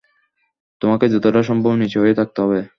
তোমাকে যতটা সম্ভব নিঁচু হয়ে থাকতে হবে।